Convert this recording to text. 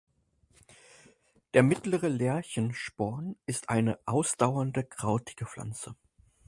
Der Mittlere Lerchensporn ist eine ausdauernde krautige Pflanze.